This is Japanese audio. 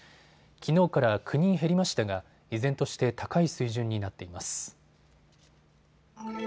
きのうから９人減りましたが依然として高い水準になっています。